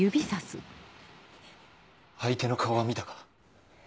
相手の顔は見たか？